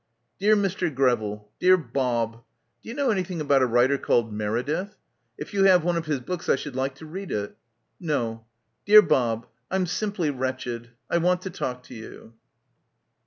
Dear Mr. Greville, dear Bob. Do you know anything about a writer called Meredith? If you have one of his books I should like to read it. No. Dear Bob, I'm simply wretched. I want to talk to you.